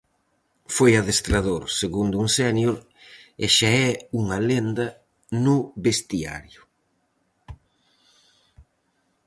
Foi adestrador, segundo en sénior, e xa é unha lenda no vestiario.